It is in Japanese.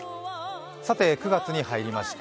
９月に入りました。